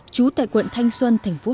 chú tại quận thanh xuân tp hcm